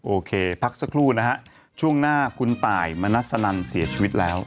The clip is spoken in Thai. โอเคพักสักครู่นะฮะช่วงหน้าคุณตายมณัสนันเสียชีวิตแล้ว